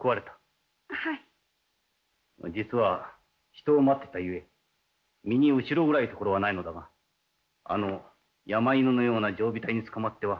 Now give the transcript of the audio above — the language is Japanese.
実は人を待っていたゆえ身に後ろ暗いところはないのだがあの山犬のような常備隊に捕まってはどんな難儀なことになっていたろうか。